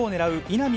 稲見